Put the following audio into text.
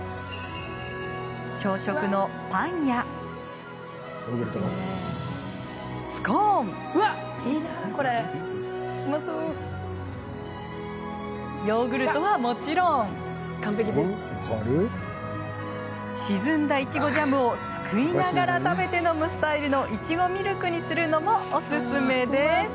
朝食のパンやスコーンヨーグルトはもちろん沈んだいちごジャムをすくいながら食べて飲むスタイルのいちごミルクにするのもおすすめです。